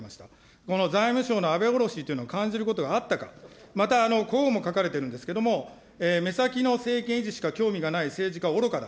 この財務省の安倍降ろしというのを感じることがあったか、また、こうも書かれているんですけれども、目先の政権維持しか興味がない政治家はおろかだと。